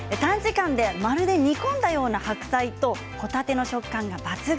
短時間でまるで煮込んだような白菜とほたての食感が抜群。